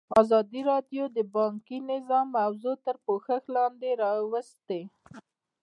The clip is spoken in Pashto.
ازادي راډیو د بانکي نظام موضوع تر پوښښ لاندې راوستې.